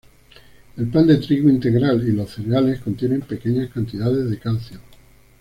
El pan de trigo integral y los cereales contienen pequeñas cantidades de calcio.